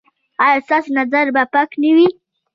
ایا ستاسو نظر به پاک نه وي؟